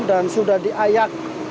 dan sudah diayak